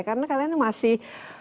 karena kalian masih